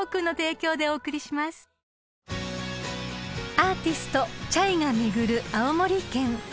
［アーティストｃｈａｙが巡る青森県］